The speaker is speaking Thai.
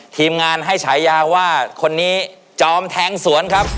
ทีมงานให้ฉายาว่าคนนี้จอมแทงสวนครับ